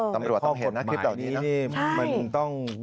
ตำรวจต้องเห็นนะคลิปแบบนี้เนอะ